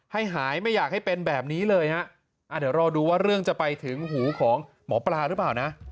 หายไม่อยากให้เป็นแบบนี้เลยฮะอ่าเดี๋ยวรอดูว่าเรื่องจะไปถึงหูของหมอปลาหรือเปล่านะ